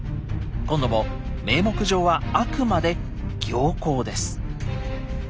今度も名目上はあくまで「行幸」です。